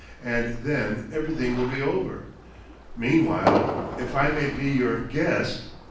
And then everything will be over. Meanwhile, if I may be your guest....